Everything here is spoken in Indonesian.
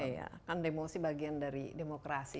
iya kan demosi bagian dari demokrasi